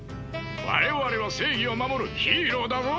我々は正義を守るヒーローだぞ！